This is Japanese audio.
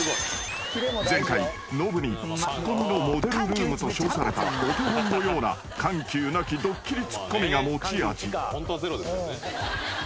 ［前回ノブにツッコミのモデルルームと称されたお手本のような緩急なきドッキリツッコミが持ち味］